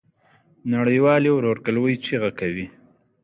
نړۍ والي ورورګلوی چیغه کوي.